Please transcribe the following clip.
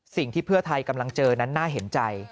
สิ่งที่เพื่อไทยกำลังเจอนั้นน่าเห็นใจ